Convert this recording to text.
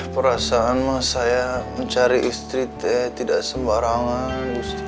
perasaan mah saya mencari istri teh tidak sembarangan